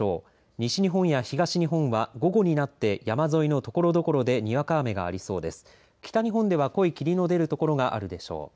西日本や東日本は午後になって山沿いのところどころでにわか雨がありそうです。